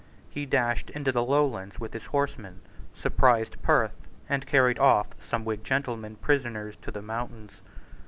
He dashed into the Lowlands with his horsemen, surprised Perth, and carried off some Whig gentlemen prisoners to the mountains.